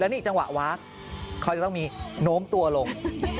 นี่จังหวะวากเขาจะต้องมีโน้มตัวลง